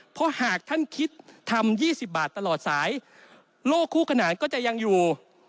เพราะหากท่านคิดทำ๒๐บาทตลอดสายโลกคู่ขนาดก็จะยังอยู่